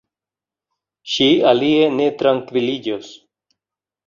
Ŝi alie ne trankviliĝos.